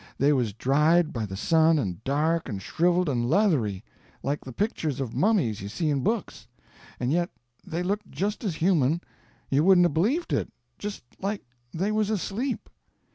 They was dried by the sun and dark and shriveled and leathery, like the pictures of mummies you see in books. And yet they looked just as human, you wouldn't 'a' believed it; just like they was asleep.